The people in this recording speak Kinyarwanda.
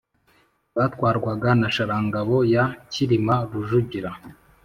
batwarwaga na Sharangabo ya Cyilima Rujugira